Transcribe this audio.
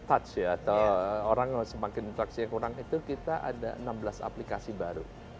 atau orang semakin inflasi yang kurang itu kita ada enam belas aplikasi baru